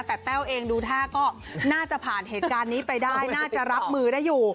แต่แต้วเองดูท่าก็น่าจะผ่านเหตุการณ์นี้ไปได้น่าจะรับมือได้อยู่